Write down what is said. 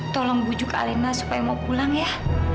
tolong bujuk arena supaya mau pulang ya